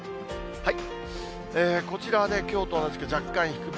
こちらはきょうと同じく、若干低め。